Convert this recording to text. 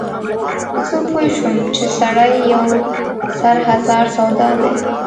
زه پوی شوم چې سړی یو سر هزار سودا دی.